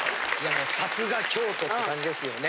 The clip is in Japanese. もうさすが京都って感じですよね。